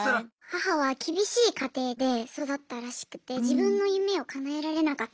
母は厳しい家庭で育ったらしくて自分の夢をかなえられなかった。